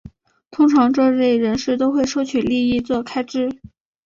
通常这类人士都会收取利益作开支。